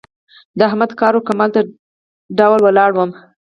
د احمد کار و کمال ته ډول ولاړم.